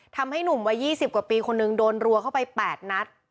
ทำให้หนุ่มวัย๒๐กว่าปีคนหนึ่งโดนรัวเข้าไป๘นัด